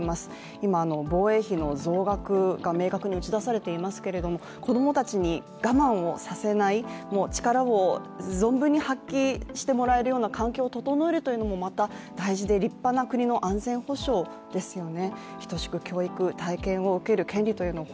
今、防衛費の増額が明確に打ち出されていますけれども、子供たちに我慢をさせない、力を存分に発揮してもらえるような環境を整えるのもまた大事で、立派な国の安全保障ですよね。